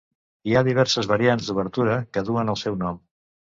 Hi ha diverses variants d'obertura que duen el seu nom.